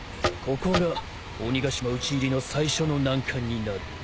ここが鬼ヶ島討ち入りの最初の難関になる。